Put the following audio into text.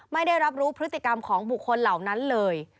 ไม่ได้รับรู้พฤติกรรมของบุคคลเหล่านั้นเลย